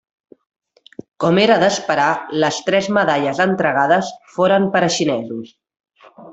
Com era d'esperar, les tres medalles entregades foren per a xinesos.